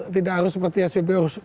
tidak harus seperti spbu